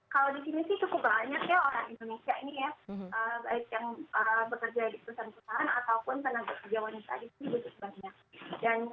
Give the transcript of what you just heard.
kalau di sini sih cukup banyak ya orang indonesia ini ya